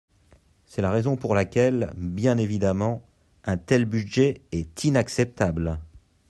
C’est la raison pour laquelle, bien évidemment, un tel budget est inacceptable.